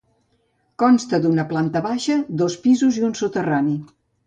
Consta d'una planta baixa, dos pisos i un soterrani.